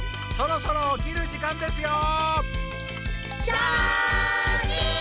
そろそろおきるじかんですよ！